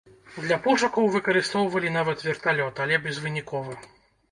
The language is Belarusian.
Для пошукаў выкарыстоўвалі нават верталёт, але безвынікова.